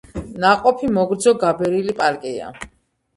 ნაყოფი მოგრძო გაბერილი პარკია.